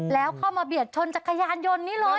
แล้วเข้ามาเบียดชนจักรยานยนต์นี้เลย